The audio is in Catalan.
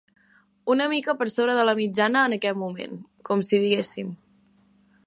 Una mica per sobre de la mitjana en aquest moment, com si diguéssim.